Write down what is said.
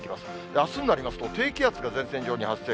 あすになりますと、低気圧が前線上に発生。